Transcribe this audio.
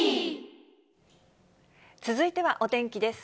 続いてはお天気です。